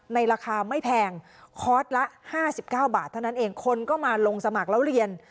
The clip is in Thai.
ราคาไม่แพงคอร์สละ๕๙บาทเท่านั้นเองคนก็มาลงสมัครแล้วเรียน